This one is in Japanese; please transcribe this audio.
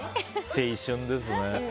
青春ですね。